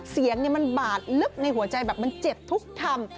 เสียงมันบาดลึกในหัวใจแบบมันเจ็บทุกคำ